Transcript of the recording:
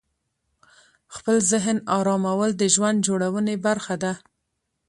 خپل ذهن آرامول د ژوند جوړونې برخه ده.